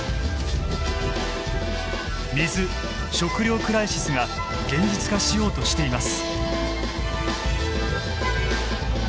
水・食料クライシスが現実化しようとしています。